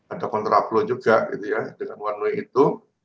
ada kontraplow juga gitu ya dengan one way itu